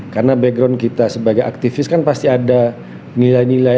karena background kita sebagai aktivis kan pasti ada nilai nilai